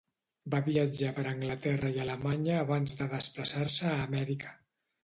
Va viatjar per Anglaterra i Alemanya abans de desplaçar-se a Amèrica.